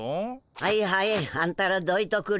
はいはいあんたらどいとくれ。